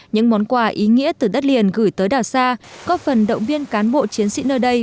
những món quà ý nghĩa từ đất liền gửi tới đảo xa góp phần động viên cán bộ chiến sĩ nơi đây